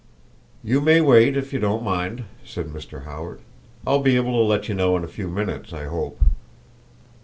"You may wait if you don't mind," said Mr. Howard. "I'll be able to let you know in a few minutes, I hope."